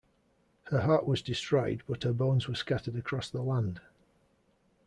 Her heart was destroyed, but her bones were scattered across the land.